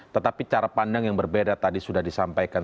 tetapi cara pandang yang berbeda tadi sudah disampaikan